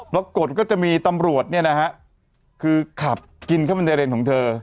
ปรากฏก็จะมีตำรวจเนี่ยนะฮะคือขับกินเข้ามาในเลนของเธอ